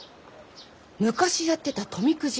昔やってた富くじ